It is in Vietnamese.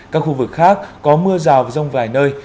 các khu vực khác có mưa rào và rông vài nơi